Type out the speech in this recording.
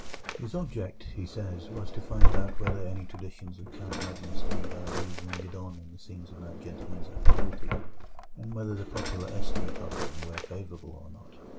His object, he says, was to find out whether any traditions of Count Magnus de la Gardie lingered on in the scenes of that gentleman's activity, and whether the popular estimate of him were favourable or not.